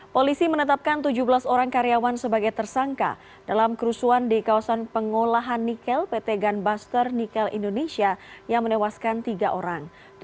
polisi menetapkan tujuh belas orang karyawan sebagai tersangka dalam kerusuhan di kawasan pengolahan nikel pt gunbuster nikel indonesia yang menewaskan tiga orang